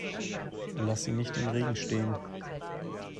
Lass sie nicht im Regen stehen!